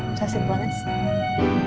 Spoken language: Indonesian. terima kasih banyak sal